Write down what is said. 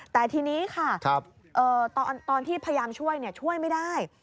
แต่ทีนี้ค่ะตอนที่พยายามช่วยช่วยไม่ได้